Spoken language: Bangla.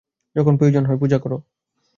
যখন প্রয়োজন হয়, পূজা কর।